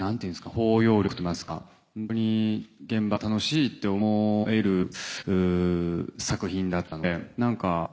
包容力といいますかホントに現場が楽しいと思える作品だったので。